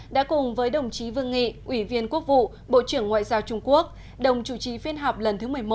đã cùng với đồng chí vương nghị ủy viên quốc vụ bộ trưởng ngoại giao trung quốc đồng chủ trì phiên họp lần thứ một mươi một